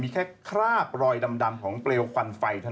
มีแค่คราบรอยดำของเปลวควันฟัยแล้ว